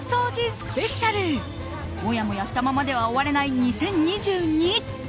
スペシャルもやもやしたままでは終われない２０２２。